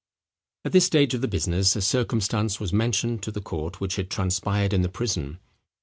At this stage of the business a circumstance was mentioned to the court which had transpired in the prison.